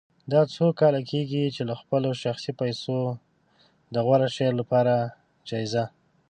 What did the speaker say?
دا څو کاله کېږي چې له خپلو شخصي پیسو د غوره شعر لپاره جایزه